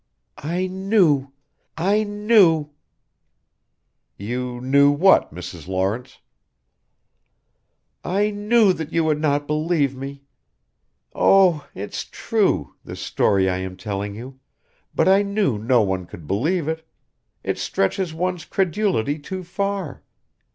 "I knew I knew " "You knew what, Mrs. Lawrence?" "I knew that you would not believe me. Oh! it's true this story I am telling you. But I knew no one could believe it it stretches one's credulity too far.